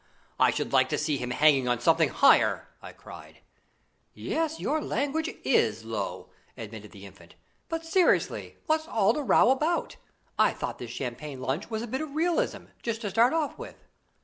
I should like to see him hanging on something higher!" I cried. "Yes, your language is low," admitted the Infant. "But, seriously, what's all the row about? I thought this champagne lunch was a bit of realism, just to start off with."